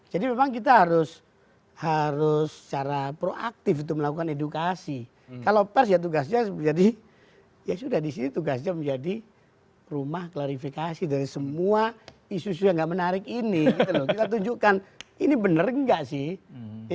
jadi memang kita harus harus secara proaktif itu melakukan edukasi kalau pers ya tugasnya jadi ya sudah disini tugasnya menjadi rumah klarifikasi dari semua isu isu yang gak menarik ini gitu loh kita tunjukkan ini bener gak sih ya kan